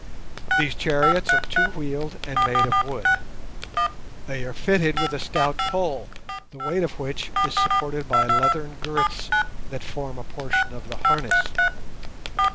These chariots are two wheeled, and made of wood. They are fitted with a stout pole, the weight of which is supported by leathern girths that form a portion of the harness.